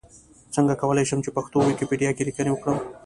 څنګه کولای شم چې پښتو ويکيپېډيا کې ليکنې وکړم؟